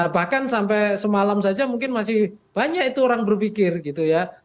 bahkan sampai semalam saja mungkin masih banyak itu orang berpikir gitu ya